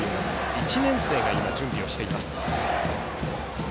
１年生が準備をしています。